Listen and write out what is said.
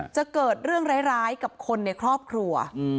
จะเกิดเรื่องร้ายกับคนในครอบครัว